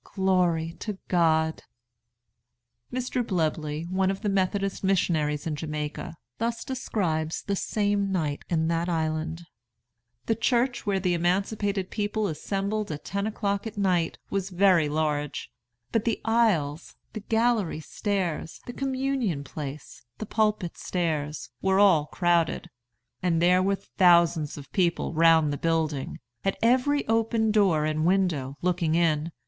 Glory to God!'" Mr. Bleby, one of the Methodist missionaries in Jamaica, thus describes the same night in that island: "The church where the emancipated people assembled, at ten o'clock at night, was very large; but the aisles, the gallery stairs, the communion place, the pulpit stairs, were all crowded; and there were thousands of people round the building, at every open door and window, looking in.